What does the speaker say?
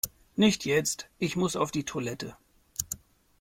Nicht jetzt, ich muss auf die Toilette!